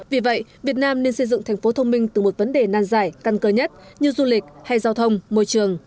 vì vậy việt nam nên xây dựng thành phố thông minh từ một vấn đề nan giải căn cơ nhất như du lịch hay giao thông môi trường